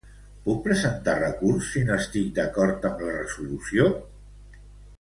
Puc presentar recurs si no estic d'acord amb la resolució?